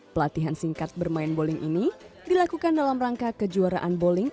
pelatihan singkat bermain bowling ini dilakukan dalam rangka kejuaraan bowling